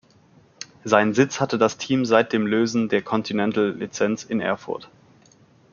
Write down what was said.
Seinen Sitz hatte das Team seit dem Lösen der Continental-Lizenz in Erfurt.